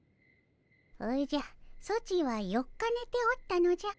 おじゃソチは４日ねておったのじゃ。